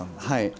はい。